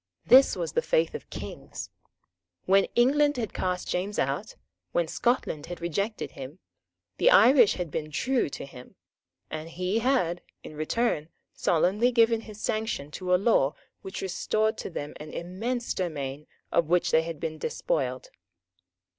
This was the faith of kings. When England had cast James out, when Scotland had rejected him, the Irish had still been true to him; and he had, in return, solemnly given his sanction to a law which restored to them an immense domain of which they had been despoiled.